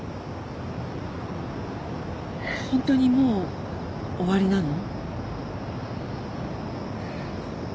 ホントにもう終わりなの？